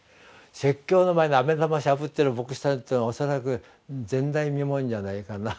説教の前にあめ玉しゃぶってる牧師さんというのは恐らく前代未聞じゃないかな。